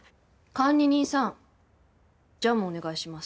管理人さんジャムお願いします。